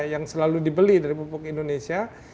yang selalu dibeli dari pupuk indonesia